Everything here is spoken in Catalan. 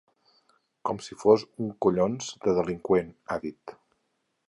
Com si fos un collons de delinqüent, ha dit.